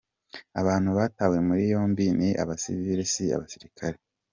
"Abantu batawe muri yombi ni abasivile, si abasirikare.